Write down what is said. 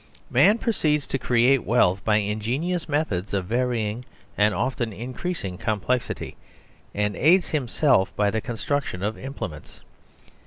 Man proceeds to create wealth by ingenious meth ods of varying and often increasing complexity, and aids himself by the construction of implements.